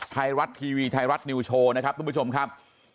ไทยรัฐทีวีไทยรัฐนิวโชว์นะครับทุกผู้ชมครับ